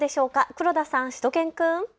黒田さん、しゅと犬くん。